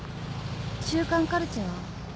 週刊カルチェは？